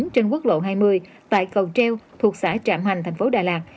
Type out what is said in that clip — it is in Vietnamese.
trên quốc lộ hai mươi tại cầu treo thuộc xã trạm hành thành phố đà lạt